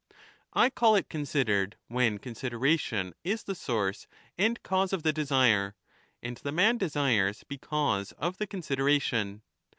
I call it considered when 20 consideration is the source and cause of the desire, and the ; man desires because of the consideration.